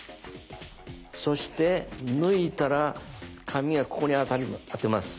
そして抜いたら紙はここに当てます。